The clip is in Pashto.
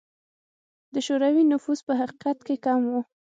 د شوروي نفوس په حقیقت کې کم و.